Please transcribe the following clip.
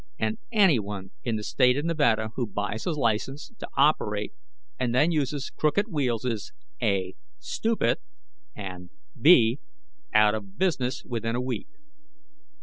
And anyone in the State of Nevada who buys a license to operate and then uses crooked wheels is (a) stupid, and (b) out of business within a week.